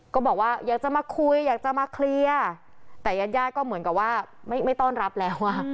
ก็บอกว่าอยากจะมาคุยอยากจะมาเคลียร์แต่ญาติญาติก็เหมือนกับว่าไม่ต้อนรับแล้วอ่ะ